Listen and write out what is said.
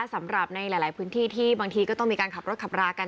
สำหรับในหลายพื้นที่ที่บางทีก็ต้องมีการขับรถขับรากัน